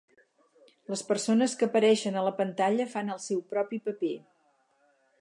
Les persones que apareixen a la pantalla fan el seu propi paper.